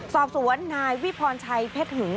สอบสวนนายวิพรชัยเพชรหึง